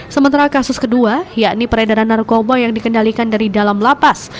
sementara kasus kedua yakni peredaran narkoba yang dikendalikan dari dalam lapas